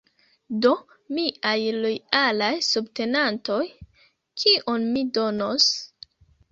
Do, miaj lojalaj subtenantoj: kion mi donos?